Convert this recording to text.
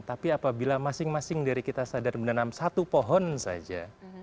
tapi apabila masing masing dari kita sadar menanam satu pohon saja